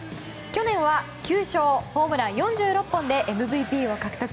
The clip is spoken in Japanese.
去年は９勝ホームラン４６本でＭＶＰを獲得。